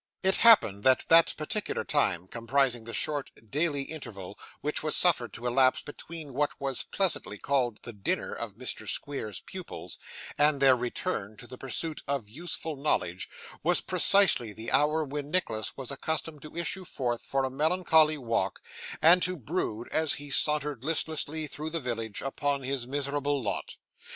It happened that that particular time, comprising the short daily interval which was suffered to elapse between what was pleasantly called the dinner of Mr. Squeers's pupils, and their return to the pursuit of useful knowledge, was precisely the hour when Nicholas was accustomed to issue forth for a melancholy walk, and to brood, as he sauntered listlessly through the village, upon his miserable lot.